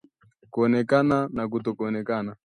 kuonekana au kutoonekana